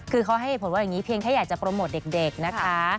คือเขาให้เหตุผลว่าอย่างนี้เพียงแค่อยากจะโปรโมทเด็กนะคะ